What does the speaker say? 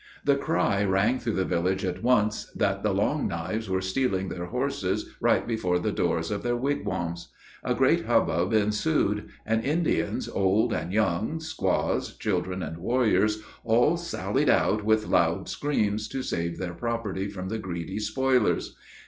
The cry rang through the village at once, that the Long Knives were stealing their horses right before the doors of their wigwams. A great hubbub ensued; and Indians, old and young, squaws, children, and warriors, all sallied out with loud screams, to save their property from the greedy spoilers.